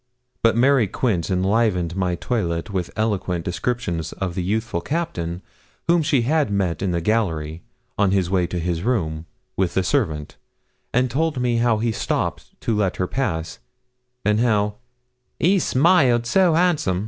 But Mary Quince enlivened my toilet with eloquent descriptions of the youthful Captain whom she had met in the gallery, on his way to his room, with the servant, and told me how he stopped to let her pass, and how 'he smiled so 'ansom.'